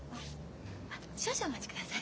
少々お待ちください。